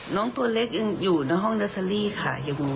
ตัวเล็กยังอยู่ในห้องเนอร์เซอรี่ค่ะ